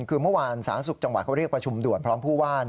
คือเมื่อวานสาธารณสุขจังหวัดเขาเรียกประชุมด่วนพร้อมผู้ว่า